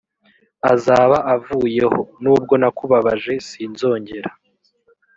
azaba avuyeho nubwo nakubabaje sinzongera